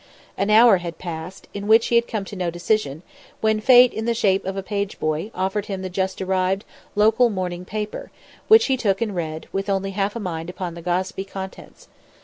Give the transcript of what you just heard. An hour had passed, in which he had come to no decision, when Fate, in the shape of a page boy, offered him the just arrived, local morning paper, which he took and read, with only half a mind upon the gossipy contents.